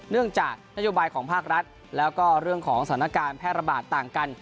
เนื่องจากนโยบายของภาครัฐแล้วก็เรื่องของสถานการณ์แพร่ระบาดต่างกัน